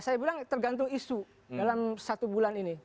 saya bilang tergantung isu dalam satu bulan ini